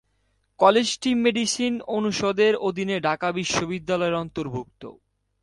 কলেজটি মেডিসিন অনুষদের অধীনে ঢাকা বিশ্ববিদ্যালয়ের অধিভুক্ত।